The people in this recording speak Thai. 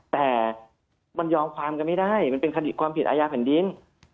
แต่มันยอมความกันไม่ได้มันเป็นคดีความผิดอาญาแผ่นดิน